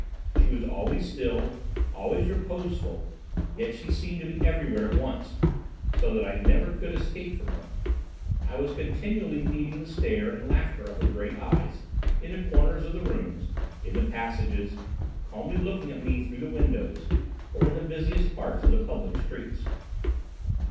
She was always still, always reposeful, yet she seemed to be everywhere at once, so that I never could escape from her. I was continually meeting the stare and laughter of her great eyes, in the corners of the rooms, in the passages, calmly looking at me through the windows, or in the busiest parts of the public streets."